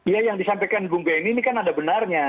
ya yang disampaikan bung benny ini kan ada benarnya